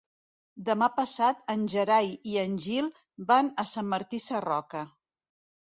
Demà passat en Gerai i en Gil van a Sant Martí Sarroca.